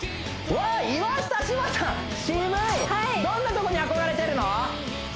どんなとこに憧れてるの？